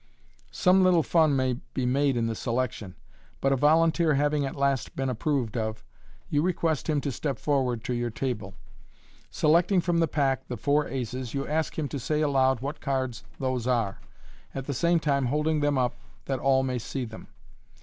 Some little fun may be made in the selection, but a volunteer having at last been approved of, you request him to step forward to your table. Selecting from the pack the four aces, you ask him to say aloud what cards those are, at the same time holding them up that all may see them.